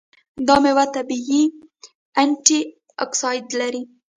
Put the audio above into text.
دا میوه طبیعي انټياکسیدان لري.